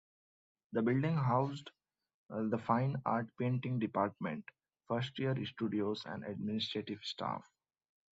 The building housed the Fine Art Painting department, first year studios and administrative staff.